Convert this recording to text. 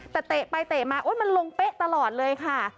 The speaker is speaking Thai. แต่เตะไปเตะมามันลงเป๊ะตลอดเลยค่ะ